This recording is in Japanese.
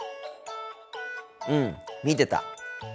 うん見てた。